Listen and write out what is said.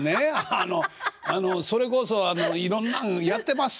あのそれこそいろんなんやってまっせ。